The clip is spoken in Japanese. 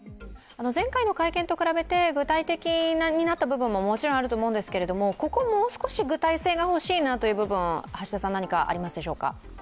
前回の会見と比べて具体的になった部分ももちろんあると思うんですけどここ、もう少し具体性がほしいなという部分、何かありますでしょうか？